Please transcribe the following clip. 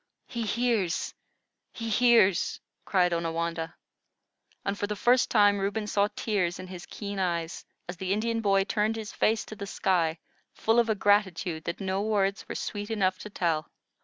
"He hears! he hears!" cried Onawandah, and for the first time Reuben saw tears in his keen eyes, as the Indian boy turned his face to the sky, full of a gratitude that no words were sweet enough to tell.